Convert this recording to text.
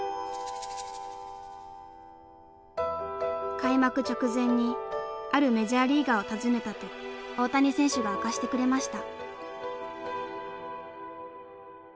開幕直前にあるメジャーリーガーを訪ねたと大谷選手が明かしてくれました。